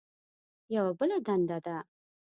یوه بله دنده ده.